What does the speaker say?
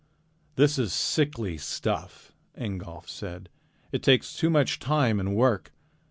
"This is sickly stuff," Ingolf said. "It takes too much time and work.